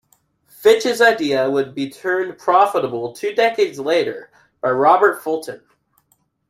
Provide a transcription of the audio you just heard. Fitch's idea would be turned profitable two decades later by Robert Fulton.